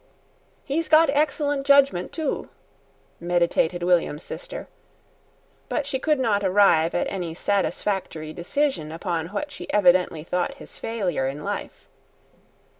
He's got excellent judgment, too," meditated William's sister, but she could not arrive at any satisfactory decision upon what she evidently thought his failure in life.